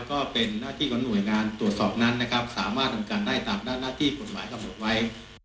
ก็เป็นหน้าที่ของหน่วยงานตรวจสอบนั้นนะครับสามารถทำการได้ตามหน้าที่กฎหมายกำหนดไว้